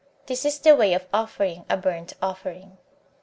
This is the way of offering a burnt offering.